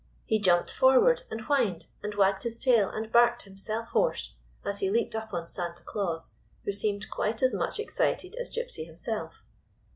He jumped forward and whined and wagged his tail and barked himself hoarse, as he leaped up on " Santa Claus," who seemed quite as much excited as Gypsy himself.